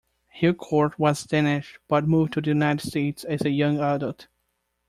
Hillcourt was Danish, but moved to the United States as a young adult.